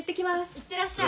行ってらっしゃい。